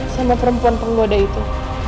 sama perempuan penggoda itu